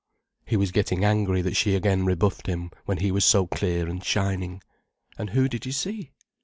He was getting angry that she again rebuffed him when he was so clear and shining. "And who did you see?"